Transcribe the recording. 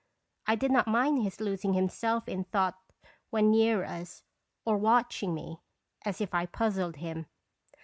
I did not mind his losing himself in thought when near us, or watching me, as if I puzzled him.